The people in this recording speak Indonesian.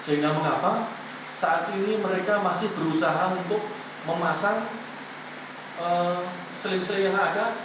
sehingga mengapa saat ini mereka masih berusaha untuk memasang seling seling yang ada